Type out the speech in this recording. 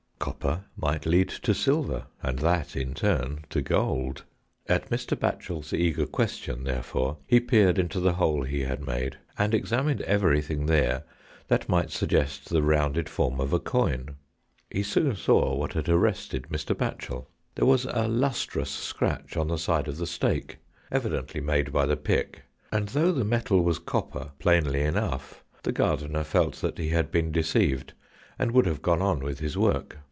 Copper might lead to silver, and that, in turn, to gold. At Mr. Batchel's eager question, therefore, he peered into the hole he had made, and examined everything there that might suggest the rounded form of a coin. He soon saw what had arrested Mr. Batchel. There was a lustrous scratch on the side of the stake, evidently made by the pick, and though the metal was copper, plainly enough, the gardener felt that he had been deceived, and would have gone on with his work.